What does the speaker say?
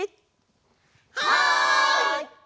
はい！